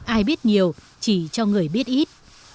ai biết nhiều chỉ cho người biết ít